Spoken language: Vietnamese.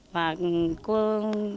và cô rất là yêu quý